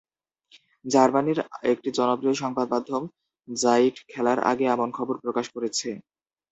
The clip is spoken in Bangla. জার্মানির একটি জনপ্রিয় সংবাদমাধ্যম যাইট খেলার আগে এমন খবর প্রকাশ করেছে।